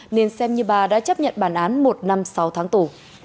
nên xem như bà đã chấp nhận bản án một năm sáu tháng tù